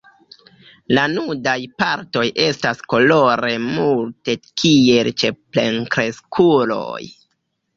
La nudaj partoj estas kolore multe kiel ĉe plenkreskuloj.